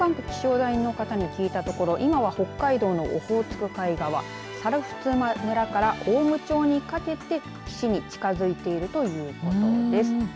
気象台の方に聞いたところ今は、北海道のオホーツク海側猿払村から雄武町にかけては岸に近づいているということです。